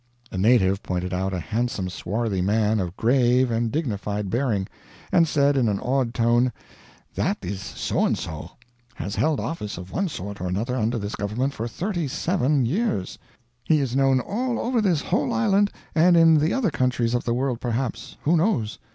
A native pointed out a handsome swarthy man of grave and dignified bearing, and said in an awed tone, "That is so and so; has held office of one sort or another under this government for 37 years he is known all over this whole island and in the other countries of the world perhaps who knows?